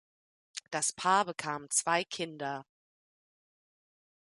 Das Paar bekam zwei Kinder.